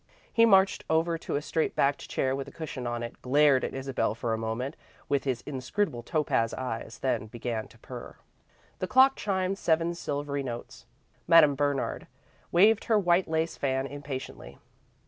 He marched over to a straight backed chair with a cushion in it; glared at Isabel for a moment with his inscrutable topaz eyes, then began to purr. The clock chimed seven silvery notes. Madame Bernard waved her white lace fan impatiently.